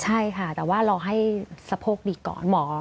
ใช่ค่ะแต่ว่ารอให้สะโพกดีก่อนหมอ